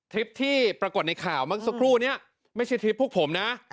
คลิปที่ปรากฏในข่าวเมื่อสักครู่นี้ไม่ใช่ทริปพวกผมนะ